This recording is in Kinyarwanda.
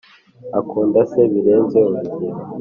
akunda se birenze urugero.